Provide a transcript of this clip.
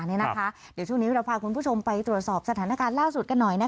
เดี๋ยวช่วงนี้เราพาคุณผู้ชมไปตรวจสอบสถานการณ์ล่าสุดกันหน่อย